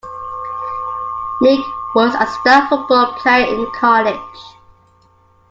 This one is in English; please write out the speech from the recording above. Meek was a star football player in college.